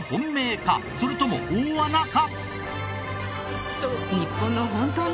それとも大穴か？